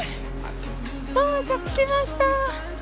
到着しました。